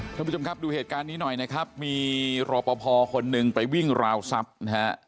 ท่านผู้ชมครับดูเหตุการณ์นี้หน่อยนะครับมีรอปภคนหนึ่งไปวิ่งราวทรัพย์นะฮะ